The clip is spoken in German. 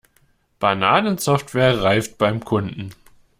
Bananensoftware reift beim Kunden.